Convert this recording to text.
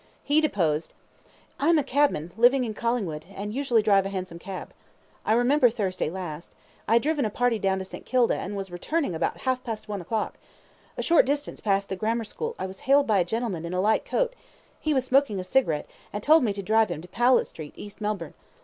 He deposed: I am a cabman, living in Collingwood, and usually drive a hansom cab. I remember Thursday last. I had driven a party down to St. Kilda, and was returning about half past one o'clock. A short distance past the Grammar School I was hailed by a gentleman in a light coat; he was smoking a cigarette, and told me to drive him to Powlett Street, East Melbourne.